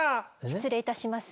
失礼いたします。